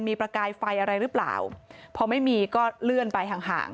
มีประกายไฟอะไรหรือเปล่าพอไม่มีก็เลื่อนไปห่างห่าง